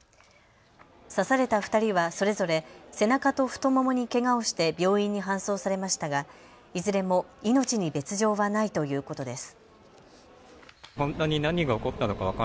刺された２人はそれぞれ背中と太ももにけがをして病院に搬送されましたがいずれも命に別状はないということです。